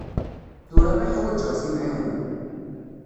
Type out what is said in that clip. Tura i ḥwaǧeɣ timεiwna.